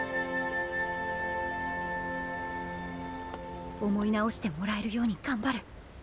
心の声思い直してもらえるように頑張る。